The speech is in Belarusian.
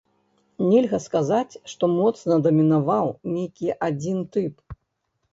Нельга сказаць, што моцна дамінаваў нейкі адзін тып.